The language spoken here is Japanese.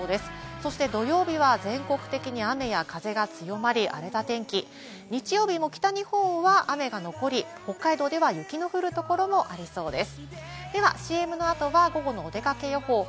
そして土曜日は全国的に雨や風が強まり、荒れた天気、日曜日も北日本は雨が残り、北海道では今日のポイントを見ていきます。